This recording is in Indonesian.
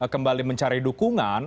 kembali mencari dukungan